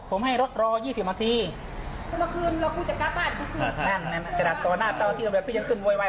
ผมให้รถรอยี่สิบน้ำทีตอนนี้ตอนตอนที่เราแบบพี่ยังขึ้นไว